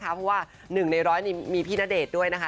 เพราะว่า๑ใน๑๐๐นี่มีพี่ณเดชน์ด้วยนะคะ